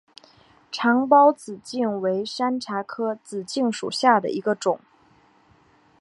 长苞紫茎为山茶科紫茎属下的一个种。